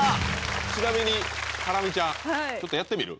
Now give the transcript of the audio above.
ちなみにハラミちゃんちょっとやってみる？